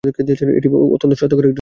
এটি অত্যন্ত স্বাস্থ্যকর একটি সবজি।